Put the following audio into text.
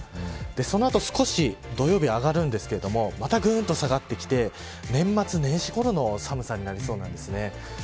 その後、少し土曜日、上がるんですがまた、ぐんと下がってきて年末年始ごろの寒さになりそうなんですね。